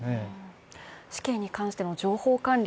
死刑に関しての情報管理